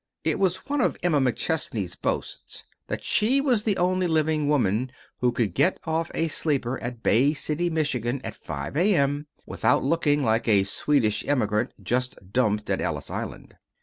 It was one of Emma McChesney's boasts that she was the only living woman who could get off a sleeper at Bay City, Michigan, at 5 A.M., without looking like a Swedish immigrant just dumped at Ellis Island.